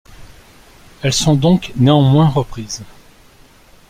Elles sont donc néanmoins reprises.